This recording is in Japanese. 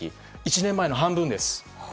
１年前の半分です。